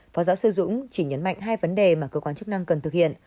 phó giáo sư dũng chỉ nhấn mạnh hai vấn đề mà cơ quan chức năng cần thực hiện